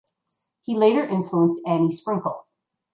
He later influenced Annie Sprinkle.